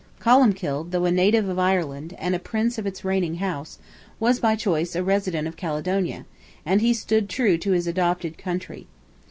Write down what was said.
Columbkill, though a native of Ireland, and a prince of its reigning house, was by choice a resident of Caledonia, and he stood true to his adopted country.